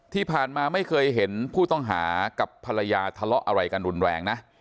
ที่ผ่านมาไม่เคยเห็นผู้ต้องหากับภรรยาทะเลาะอะไรกันรุนแรงนะ